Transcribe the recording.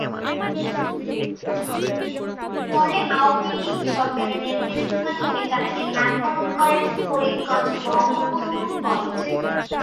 পরে আওয়ামী লীগ সরকারের নেতৃস্থানীয় নেতারা এর নামকরণ করেন, ফরিদগঞ্জ বঙ্গবন্ধু কলেজ।